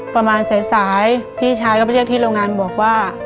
ประมาณสายพี่ชายก็ไปเรียกที่โรงงานบอกว่า